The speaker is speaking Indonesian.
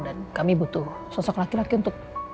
dan kami butuh sosok laki laki untuk